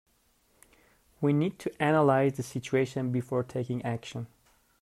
We need to analyse the situation before taking action.